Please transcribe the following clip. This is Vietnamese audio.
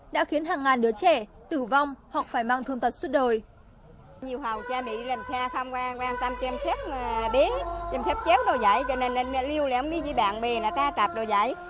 đã khiến hàng ngàn đứa trẻ tử vong hoặc phải mang thương tật suốt đời